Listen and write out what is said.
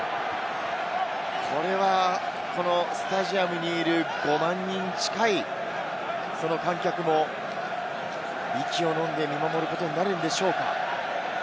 これはこのスタジアムにいる５万人に近いその観客も息を飲んで見守ることになるんでしょうか。